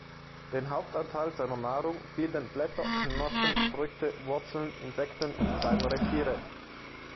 Den Hauptanteil seiner Nahrung bilden Blätter, Knospen, Früchte, Wurzeln, Insekten und kleinere Tiere.